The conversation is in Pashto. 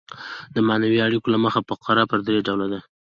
د معنوي اړیکو له مخه فقره پر درې ډوله ده.